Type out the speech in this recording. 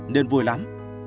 nên vui lắm